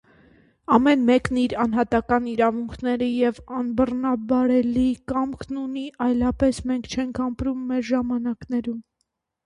Ամեն մեկն իր անհատական իրավունքները և անբռնաբարելի կամքն ունի, այլապես մենք չենք ապրում մեր ժամանակներում: